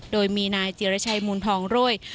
โดยมีนายจิรชัยมูลทองรวย